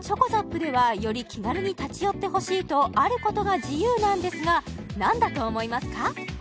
ではより気軽に立ち寄ってほしいとあることが自由なんですが何だと思いますか？